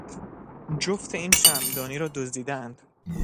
جفت این شمعدانی را دزدیدهاند.